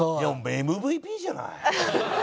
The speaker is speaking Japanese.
ＭＶＰじゃない。